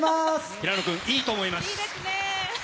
平野君、いいと思います。